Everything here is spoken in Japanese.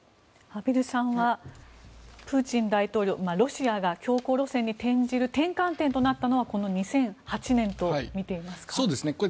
畔蒜さんはプーチン大統領、ロシアが強硬路線に転じる転換点となったのはこの２００８年とみていますか。